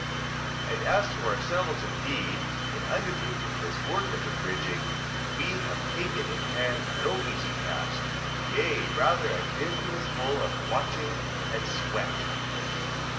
2:27. And as to ourselves indeed, in undertaking this work of abridging, we have taken in hand no easy task; yea, rather a business full of watching and sweat.